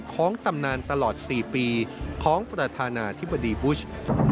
ตำนานตลอด๔ปีของประธานาธิบดีบุช